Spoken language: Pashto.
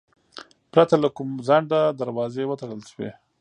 پرته له کوم ځنډه دروازې وتړل شوې.